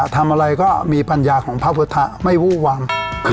ทำอะไรก็มีปัญญาของพระพุทธะไม่วู้วาม